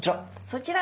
そちら！